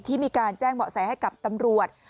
ที่มีการแจ้งเหมาะแสให้กับตำรวจ